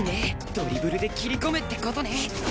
ドリブルで切り込めって事ね